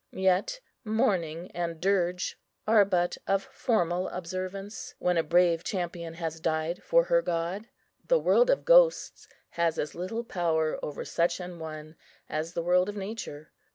Yet mourning and dirge are but of formal observance, when a brave champion has died for her God. The world of ghosts has as little power over such an one as the world of nature.